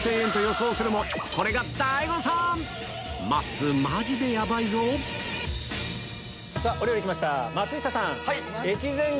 これが大誤算‼まっすーマジでヤバいぞお料理来ました松下さん。